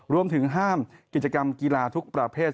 รวมถึงห้ามกิจกรรมกีฬาทุกประเภท